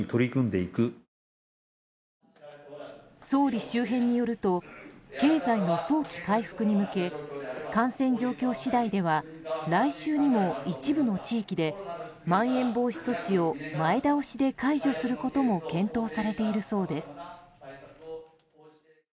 総理周辺によると経済の早期回復に向け感染状況次第では来週にも一部の地域でまん延防止措置を前倒しで解除することも検討されているそうです。